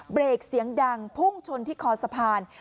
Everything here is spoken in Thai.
เบรกเสียงดังพุ่งชนที่คอสะพาน